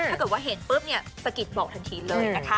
ถ้าเกิดว่าเห็นปุ๊บเนี่ยสะกิดบอกทันทีเลยนะคะ